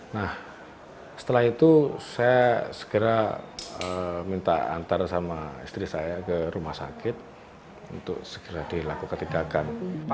nah setelah itu saya segera minta antar sama istri saya ke rumah sakit untuk segera dilakukan tindakan